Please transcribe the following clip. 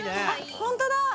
ホントだ！